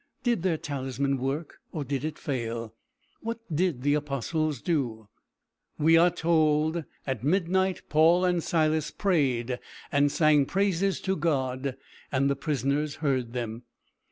Did their talisman work, or did it fail? What did the Apostles do? We are told: "At midnight Paul and Silas prayed and sang praises to God, and the prisoners heard them."